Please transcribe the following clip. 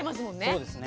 そうですね。